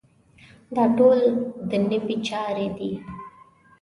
دا ټول دنیوي چارې دي.